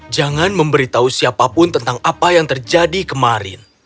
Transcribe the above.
jangan memberitahu siapapun tentang apa yang terjadi kemarin